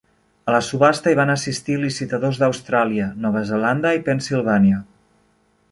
A la subhasta hi van assistir licitadors d"Austràlia, Nova Zelanda i Pennsilvània.